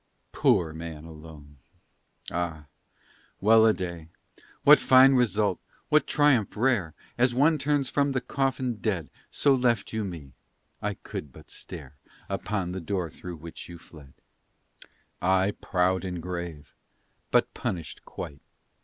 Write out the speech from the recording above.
Poor man alone! Ah, well a day, What fine result what triumph rare! As one turns from the coffin'd dead So left you me: I could but stare Upon the door through which you fled I proud and grave but punished quite.